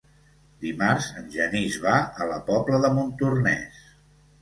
Dimarts en Genís va a la Pobla de Montornès.